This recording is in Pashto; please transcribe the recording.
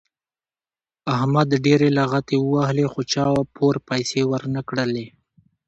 احمد ډېرې لغتې ووهلې خو چا پور پیسې ور نه کړلې.